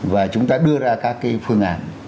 và chúng ta đưa ra các cái phương án